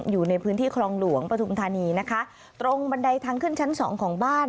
อยู่ในพื้นที่คลองหลวงปฐุมธานีนะคะตรงบันไดทางขึ้นชั้นสองของบ้าน